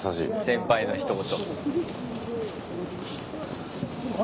先輩のひと言。